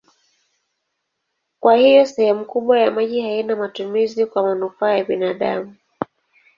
Kwa hiyo sehemu kubwa ya maji haina matumizi kwa manufaa ya binadamu.